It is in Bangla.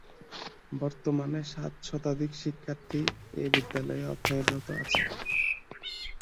বর্তমানে সাত শতাধিক শিক্ষার্থী এ বিদ্যালয়ে অধ্যয়নরত আছে।